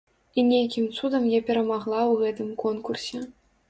І нейкім цудам я перамагла ў гэтым конкурсе.